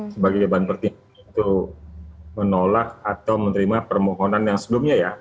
sebagai beban pertimbangan untuk menolak atau menerima permohonan yang sebelumnya ya